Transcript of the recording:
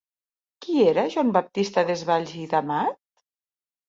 Qui era Joan Baptista Desvalls i d'Amat?